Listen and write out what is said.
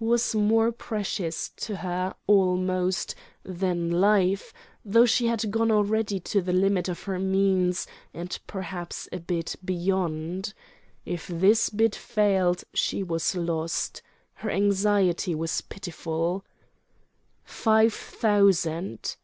—was more precious to her, almost, than life, though she had gone already to the limit of her means and perhaps a bit beyond. If this bid failed, she was lost. Her anxiety was pitiful. "Five thousand!"